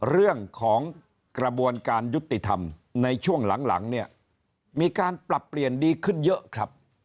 เรื่องของกระบวนการยุติธรรมในช่วงหลังเนี่ยมีการปรับเปลี่ยนดีขึ้นเยอะครับ